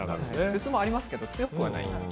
頭痛もありますけど強くはない。